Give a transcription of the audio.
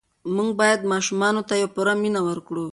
موږ باید ماشومانو ته پوره مینه ورکړو.